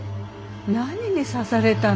何に刺されたの？